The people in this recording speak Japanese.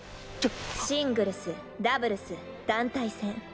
シングルスダブルス団体戦。